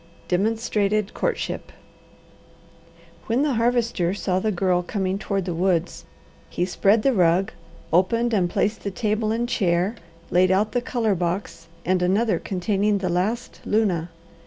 DEMONSTRATED COURTSHIP When the Harvester saw the Girl coming toward the woods, he spread the rug, opened and placed the table and chair, laid out the colour box, and another containing the last luna.